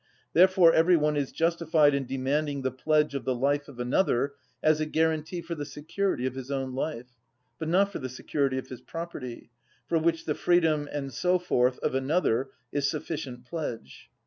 Therefore every one is justified in demanding the pledge of the life of another as a guarantee for the security of his own life, but not for the security of his property, for which the freedom, and so forth, of another is sufficient pledge.